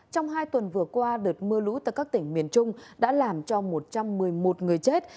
trong hai tuần vừa qua đợt mưa lũ tại các tỉnh miền trung đã làm cho một trăm một mươi một người chết